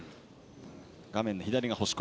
画面左が星子。